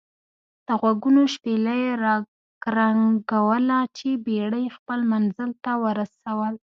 دغوږونو شپېلۍ را کرنګوله چې بېړۍ خپل منزل ته ورسول.